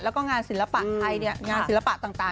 มันมัดฉา